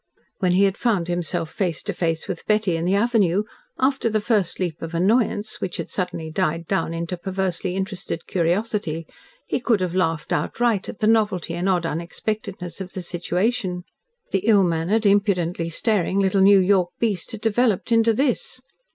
When he had found himself face to face with Betty in the avenue, after the first leap of annoyance, which had suddenly died down into perversely interested curiosity, he could have laughed outright at the novelty and odd unexpectedness of the situation. The ill mannered, impudently staring, little New York beast had developed into THIS!